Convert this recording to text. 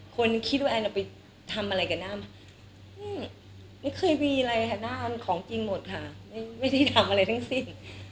คนคิดว่าแอนเอาไปทำอะไรกับหน้าไหมไม่เคยมีอะไรค่ะหน้ามันของจริงหมดค่ะไม่ได้ทำอะไรทั้งสิ้น